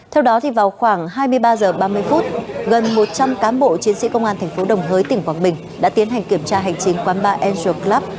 theo đó vào khoảng hai mươi ba h ba mươi gần một trăm linh cán bộ chiến sĩ công an tp đồng hới tỉnh quảng bình đã tiến hành kiểm tra hành chính quán bar angel club